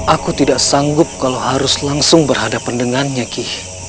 aku tidak sanggup kalau harus langsung berhadapan dengannya ki